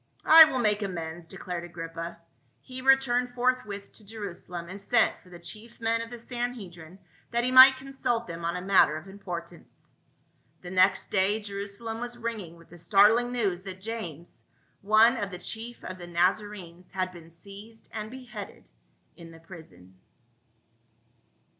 "I will make amends," declared Agrippa. He returned forthwith to Jerusalem, and sent for the chief men of the Sanhedrim that he might consult them on a matter of importance. The next day Jerusalem was ringing with the start ling news that James, one of the chief of the Naza renes, had been seized and beheaded in the prison.